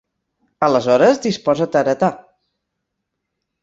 Aleshores, disposa't a heretar.